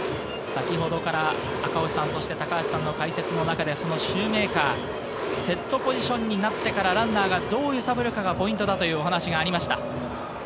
先ほどから赤星さん、高橋さんの解説の中でシューメーカー、セットポジションになってから、ランナーがどう揺さぶるかがポイントだというお話がありました。